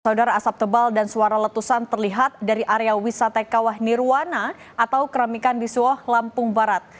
kadar asap tebal dan suara letusan terlihat dari area wisata kawah nirwana atau keramikan di suoh lampung barat